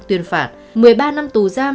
tuyên phạt một mươi ba năm tù giam